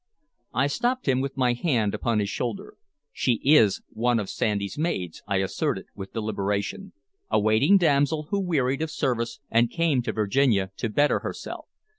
I stopped him with my hand upon his shoulder. "She is one of Sandys' maids," I asserted, with deliberation, "a waiting damsel who wearied of service and came to Virginia to better herself.